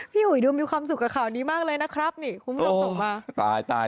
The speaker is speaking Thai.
พี่หูยดวมมีความสุขกับข่าวนี้มากเลยนะครับนี่คุณภรรยังส่งมา